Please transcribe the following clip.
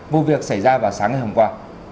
vụ việc xảy ra vào sáng ngày hôm qua